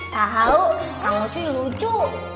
tau kang ucu itu lucu